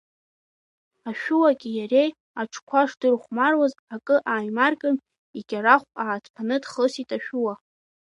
Ашәуаки иареи аҽқәа шдырхәмаруаз акы ааимаркын, икьарахә ааҭԥааны дхысит ашәуа.